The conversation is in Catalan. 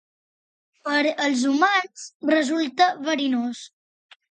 Per als humans resulta verinós.